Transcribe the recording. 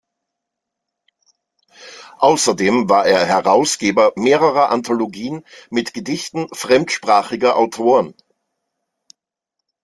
Außerdem war er Herausgeber mehrerer Anthologien mit Gedichten fremdsprachiger Autoren.